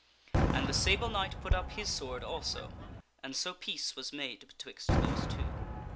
And the Sable Knight put up his sword also, and so peace was made betwixt those two.